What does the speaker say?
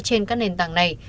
trên các nền tảng này